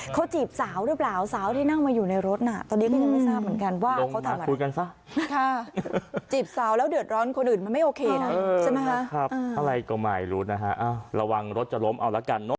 มันไม่โอเคนะใช่ไหมครับอะไรก็หมายรู้นะฮะอ้าวระวังรถจะล้มเอาละกัน